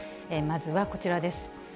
まずはこちらです。